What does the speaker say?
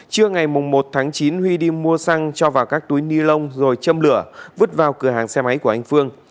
trưa ngày một tháng chín huy đi mua xăng cho vào các túi ni lông rồi châm lửa vứt vào cửa hàng xe máy của anh phương